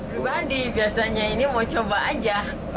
pribadi biasanya ini mau coba aja